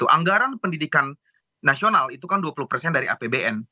anggaran pendidikan nasional itu kan dua puluh persen dari apbn